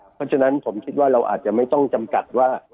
เพราะฉะนั้นผมคิดว่าเราอาจจะไม่ต้องจำกัดว่า